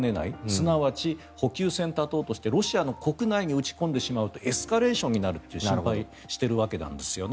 すなわち、補給線を断とうとしてロシアの国内に撃ち込んでしまうとエスカレーションになると心配しているわけです。